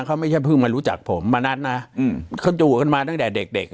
เขาไม่ใช่เพิ่งมารู้จักผมมานัดนะเขาอยู่กันมาตั้งแต่เด็กเด็ก